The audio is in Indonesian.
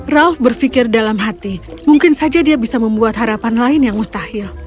ralf berpikir dalam hati mungkin saja dia bisa membuat harapan lain yang mustahil